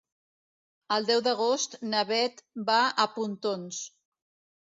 El deu d'agost na Bet va a Pontons.